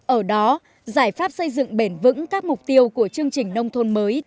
ở đó giải pháp xây dựng bền vững các mục tiêu của chương trình nông thôn mới